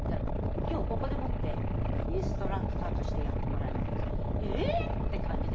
「今日ここでもってインストラクターとしてやってもらいます」って言うから「え⁉」って感じで。